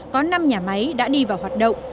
có năm nhà máy đã đi vào hoạt động